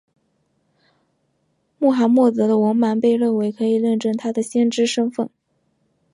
穆罕默德的文盲被认为可以认证他的先知身份。